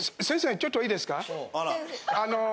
ちょっといいですか？